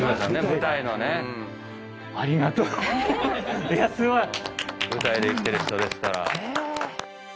舞台で生きてる人ですから。